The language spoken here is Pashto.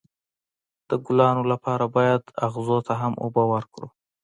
د ګلانو لپاره باید اغزو ته هم اوبه ورکړو.